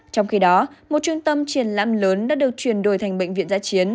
trong khi đó một trung tâm triển lãm lớn đã được chuyển đổi thành bệnh viện giã chiến